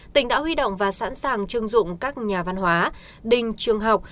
tỉnh đã huy động và sẵn sàng chưng dụng các nhà văn hóa đình trường học